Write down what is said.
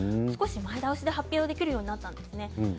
少し前倒しで発表されることになったんです。